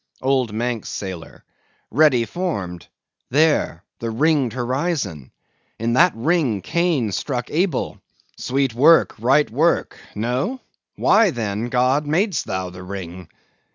OLD MANX SAILOR. Ready formed. There! the ringed horizon. In that ring Cain struck Abel. Sweet work, right work! No? Why then, God, mad'st thou the ring?